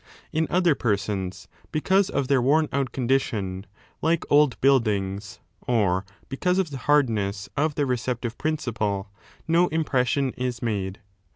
In other persons, because of their worn out condition, like old buildings, or because of the hardness of their receptive principle, no impression is made.